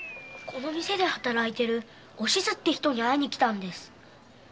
この店で働いているおしずって人に会いに来たんです。